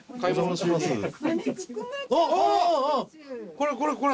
これこれこれ！